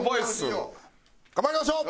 頑張りましょう！